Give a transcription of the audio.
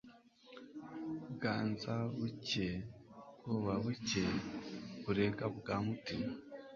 Bwanza-buke*, Bwoba-buke, Burega bwa Mutima,*